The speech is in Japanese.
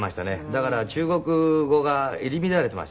だから中国語が入り乱れてましたね。